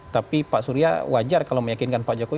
tapi pak surya wajar kalau meyakinkan pak jokowi